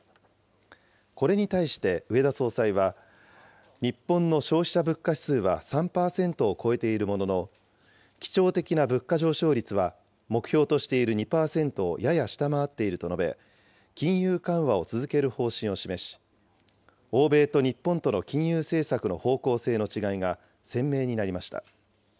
これに対して植田総裁は、日本の消費者物価指数は３％を超えているものの、基調的な物価上昇率は目標としている２％をやや下回っていると述べ、金融緩和を続ける方針を示し、欧米と日本との金融政策の方向性の違いが鮮明になりました。